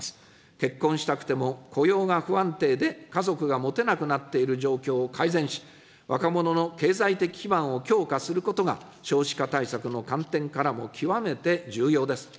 結婚したくても雇用が不安定で家族が持てなくなっている状況を改善し、若者の経済的基盤を強化することが少子化対策の観点からも極めて重要です。